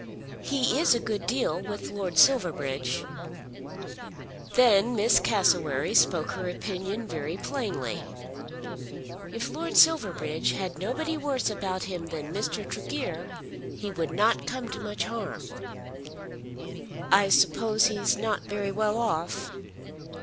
He is a good deal with Lord Silverbridge." Then Miss Cassewary spoke her opinion very plainly. "If Lord Silverbridge had nobody worse about him than Mr. Tregear he would not come to much harm." "I suppose he's not very well off."